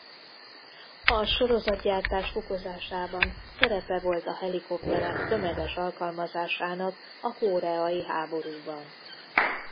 A sorozatgyártás fokozásában szerepe volt a helikopterek tömeges alkalmazásának a koreai háborúban.